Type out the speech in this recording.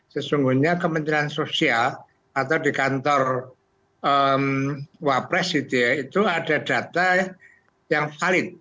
sesungguhnya kementerian sosial atau di kantor wapres itu ada data yang valid